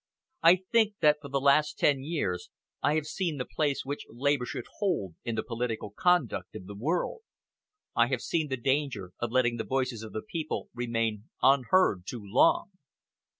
I think that for the last ten years I have seen the place which Labour should hold in the political conduct of the world. I have seen the danger of letting the voice of the people remain unheard too long.